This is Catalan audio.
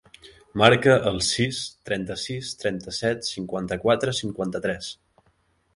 Marca el sis, trenta-sis, trenta-set, cinquanta-quatre, cinquanta-tres.